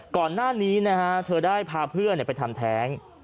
ก่อนหน้านี้นะฮะเธอได้พาเพื่อนไปทำแท้ง